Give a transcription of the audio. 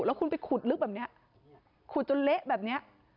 แล้วคุณไปขุดลึกแบบนี้ขุดจนเละแบบนี้